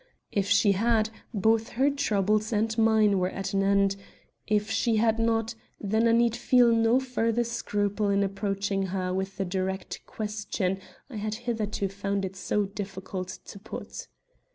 If she had, both her troubles and mine were at an end; if she had not, then I need feel no further scruple in approaching her with the direct question I had hitherto found it so difficult to put.